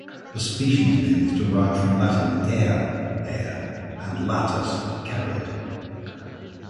The species name is derived from Latin "aer" (air) and "latus" (carried).